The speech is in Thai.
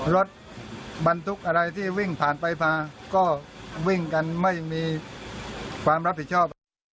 รถบรรทุกอะไรที่วิ่งผ่านไปมาก็วิ่งกันไม่มีความรับผิดชอบ